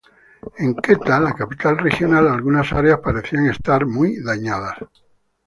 En Quetta, la capital regional, algunas áreas parecían estar muy dañadas.